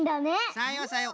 さようさよう。